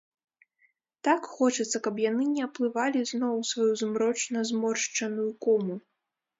Так хочацца, каб яны не аплывалі зноў у сваю змрочна зморшчаную кому!